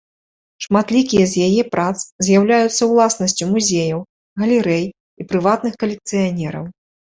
Шматлікія з яе прац з'яўляюцца ўласнасцю музеяў, галерэй і прыватных калекцыянераў.